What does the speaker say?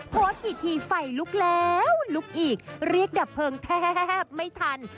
โพสต์กี่ทีไฟลุกแล้วลุกอีกเรียกดับเพลิงแทบไม่ทัน